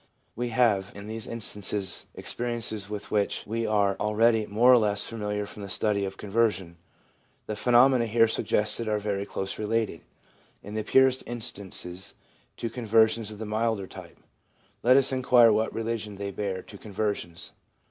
We have in these instances experiences with which we are already more or less familiar from the study of conversion. The phenomena here suggested are very closely related, in the purest instances, to conversions of the milder type. Let us inquire what relation they bear to conversions.